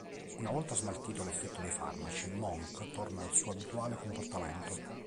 Una volta smaltito l'effetto dei farmaci, Monk torna al suo abituale comportamento.